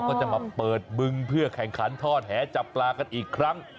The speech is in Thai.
ก็จะมาเปิดบึงเพื่อแข่งขันทอดแหจับปลากันอีกครั้ง